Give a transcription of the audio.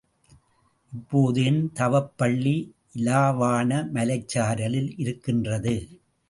இப்போது என் தவப்பள்ளி இலாவாண மலைச்சரலில் இருக்கின்றது.